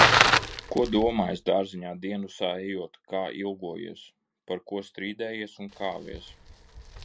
Ko domājis, dārziņā diendusā ejot, kā ilgojies. Par ko strīdējies un kāvies.